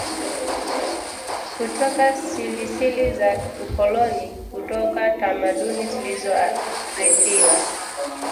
kutoka silisili za ukoloni, kutoka tamaduni zilizorithiwa